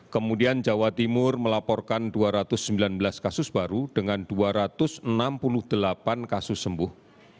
kemudian jawa timur melaporkan dua ratus sembilan belas kasus baru dengan dua ratus enam puluh delapan kasus sembuh